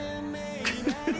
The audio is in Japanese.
クフフフ！